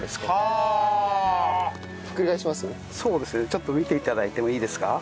ちょっと見て頂いてもいいですか？